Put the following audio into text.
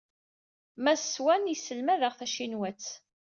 Mass Wan yesselmad-aɣ tacinwat.